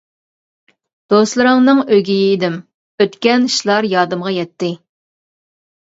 دوستلىرىڭنىڭ ئۆگىيى ئىدىم، ئۆتكەن ئىشلار يادىمغا يەتتى.